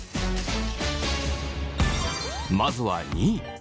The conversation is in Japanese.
まずは２位。